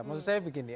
maksud saya begini